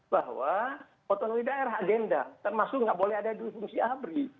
bahwa otonomi daerah agenda termasuk nggak boleh ada duit fungsi abri